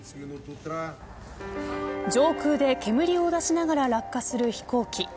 上空で煙を出しながら落下する飛行機。